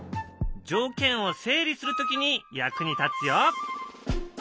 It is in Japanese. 条件を整理する時に役に立つよ。